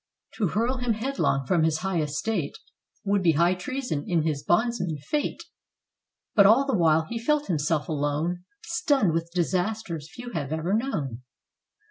To hurl him headlong from his high estate, Would be high treason in his bondman, Fate, But all the while he felt himself alone, Stunned with disasters few have ever known.